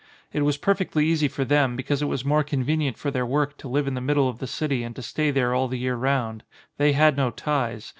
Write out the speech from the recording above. It was perfectly easy for them, because it was more convenient for their work, to live in the middle of the city and to stay there all the year round. They had no ties.